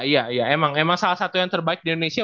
iya ya emang emang salah satu yang terbaik di indonesia